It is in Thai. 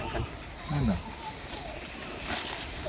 นั่นเหรอ